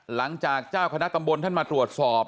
หลังจากเจ้าคณะตำบลท่านมาตรวจสอบ